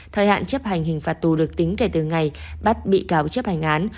thời hạn chấp hành hình phạt tù được tính kể từ ngày bắt bị cáo chấp hành án